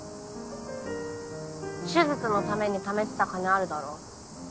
手術のためにためてた金あるだろ。